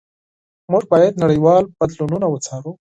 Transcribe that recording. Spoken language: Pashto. موږ باید نړیوال بدلونونه وڅارو.